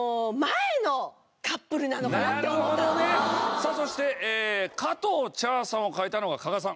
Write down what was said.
さあそして加藤茶さんを書いたのは加賀さん。